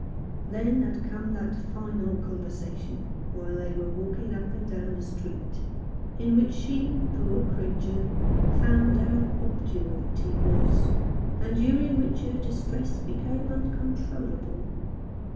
Then had come that final conversation while they were walking up and down the street, in which she, poor creature, found 133 Rough Justice. how obdurate he was, and during which her distress became uncontrollable.